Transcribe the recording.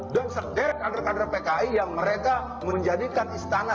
dan sederhana adat adat pki yang mereka menjadikan istana